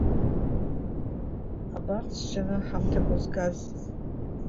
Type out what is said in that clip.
Абар сжьаны аҳамҭақәа згаз!